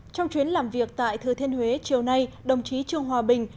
trong chuyến làm việc tại thừa thiên huế chiều nay đồng chí trương hòa bình